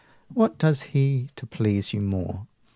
what does he to please you more?